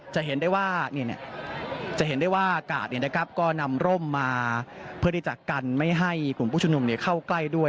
จะเห็นได้ว่าจะเห็นได้ว่ากาดก็นำร่มมาเพื่อที่จะกันไม่ให้กลุ่มผู้ชุมนุมเข้าใกล้ด้วย